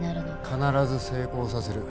必ず成功させる。